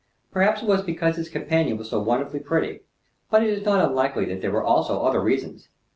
Perhaps it was because his companion was so wonderfully pretty, but it is not unlikely that there were also other reasons.